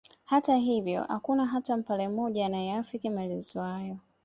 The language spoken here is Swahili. Hata hivyo hakuna hata Mpare mmoja anayeafiki maelezo hayo